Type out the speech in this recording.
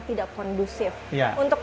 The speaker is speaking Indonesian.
tidak kondusif ya untuk